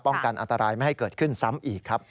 กันอันตรายไม่ให้เกิดขึ้นซ้ำอีกครับ